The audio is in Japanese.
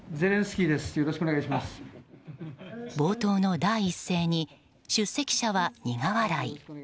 冒頭の第一声に出席者は苦笑い。